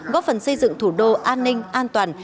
góp phần xây dựng thủ đô an ninh an toàn